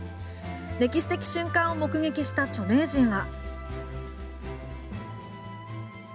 歴史的瞬間を目撃した著名人は。